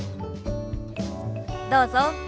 どうぞ。